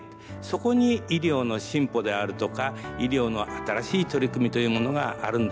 そこに医療の進歩であるとか医療の新しい取り組みというものがあるんだ。